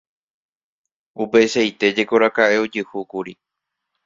Upeichaite jekorakaʼe ojehúkuri.